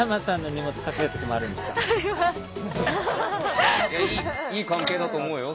いやいい関係だと思うよ